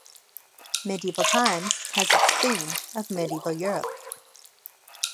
"Medieval Times" has its theme of "Medieval Europe".